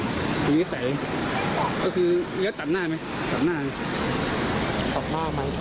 ก็คือฮือถือตัดหน้าไหมตัดหน้าเมตร